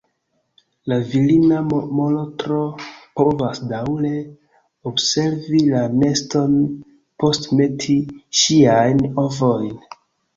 La virina molotro povas daŭre observi la neston post meti ŝiajn ovojn.